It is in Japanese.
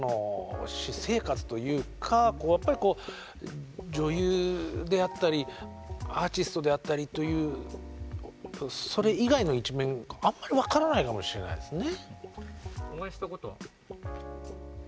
私生活というかやっぱり女優であったりアーティストであったりというそれ以外の一面あんまり分からないかもしれないですね。